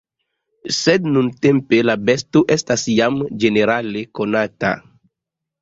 Sed nuntempe la besto estas jam ĝenerale konata.